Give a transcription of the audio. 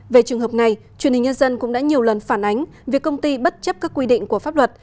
về trường hợp này truyền hình nhân dân cũng đã nhiều lần phản ánh việc công ty bất chấp các quy định của pháp luật